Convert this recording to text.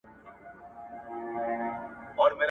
لا ژوندی دی